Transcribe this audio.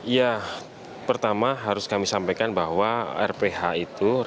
ya pertama harus kami sampaikan bahwa rph itu